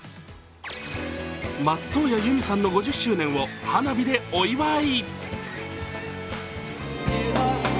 松任谷由実さんの５０周年を花火でお祝い。